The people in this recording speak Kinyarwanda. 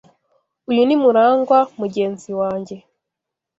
Uyu ni Murangwa, mugenzi wanjye.